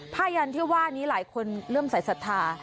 ยันที่ว่านี้หลายคนเริ่มใส่ศรัทธา